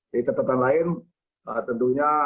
jadi tetap lain tentunya